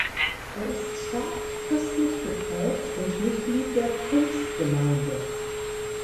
Er ist stark christlich geprägt und Mitglied der Pfingstgemeinde.